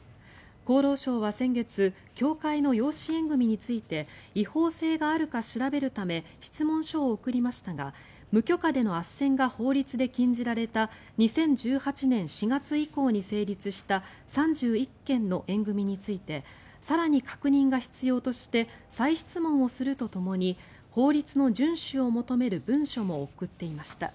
厚労省は先月教会の養子縁組について違法性があるか調べるため質問書を送りましたが無許可でのあっせんが法律で禁じられた２０１８年４月以降に成立した３１件の縁組について更に確認が必要として再質問をするとともに法律の順守を求める文書も送っていました。